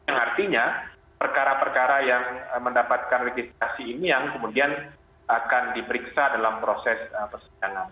yang artinya perkara perkara yang mendapatkan registrasi ini yang kemudian akan diperiksa dalam proses persidangan